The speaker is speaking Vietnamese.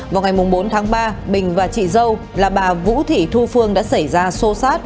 vào ngày bốn tháng ba bình và chị dâu là bà vũ thị thu phương đã xảy ra xô xát